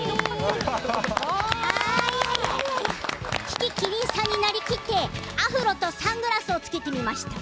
樹木希林さんになりきってアフロとサングラスを着けてみました。